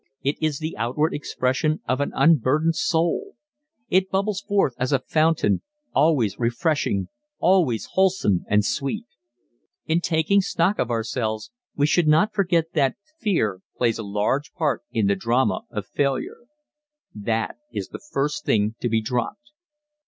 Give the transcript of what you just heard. It is the outward expression of an unburdened soul. It bubbles forth as a fountain, always refreshing, always wholesome and sweet. [Illustration: Over the Hedge and on His Way] In taking stock of ourselves we should not forget that fear plays a large part in the drama of failure. That is the first thing to be dropped.